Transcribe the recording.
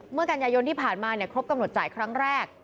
เมื่อกันยายนที่ผ่านมาครบกำหนดจ่ายครั้งแรก